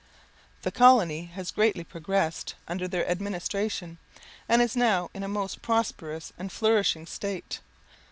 The colony has greatly progressed under their administration, and is now in a most prosperous and flourishing state.